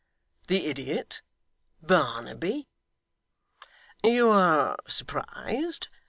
'The idiot? Barnaby?' 'You are surprised?